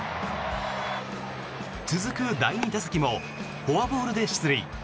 続く第２打席もフォアボールで出塁。